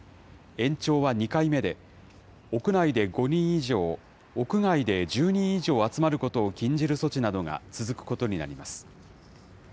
延長は２回目で、屋内で５人以上、屋外で１０人以上集まることを禁じる措置などが続くことになります。